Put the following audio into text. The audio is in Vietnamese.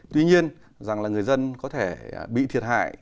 tuy nhiên rằng là người dân có thể bị thiệt hại